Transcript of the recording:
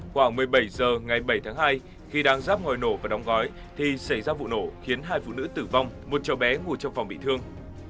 khoảng một mươi bảy h ngày bảy tháng hai khi đang ráp ngồi nổ và đóng gói thì xảy ra vụ nổ khiến hai phụ nữ tử vong một trẻ bé ngủ trong phòng bị thương